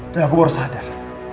dan aku baru sadar